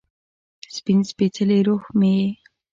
سپین سپيڅلې روح مې یې